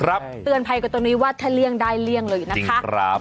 เตือนภัยกับตรงนี้ว่าถ้าเลี่ยงได้เลี่ยงเลยนะคะครับ